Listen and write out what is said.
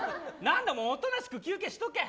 おとなしく休憩しとけ。